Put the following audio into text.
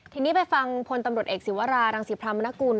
ทีนี้ไปฟังพลตำรวจเอกศิวรารังศิพรามนกุล